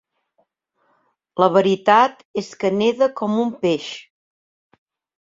La veritat és que neda com un peix.